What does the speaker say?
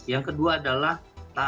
yang kedua adalah taat aturan gas